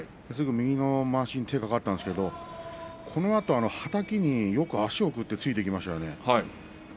すぐ右のまわしにかかったんですけどこのあと、はたきによく足を送ってついていきましたよね。